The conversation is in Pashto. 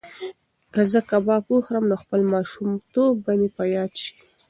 که زه کباب وخورم نو خپل ماشومتوب به مې په یاد شي.